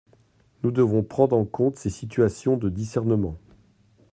Nous devons prendre en compte ces situations de discernement.